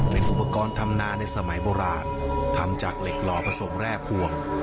เป็นอุปกรณ์ทำนาในสมัยโบราณทำจากเหล็กหล่อผสมแร่พวง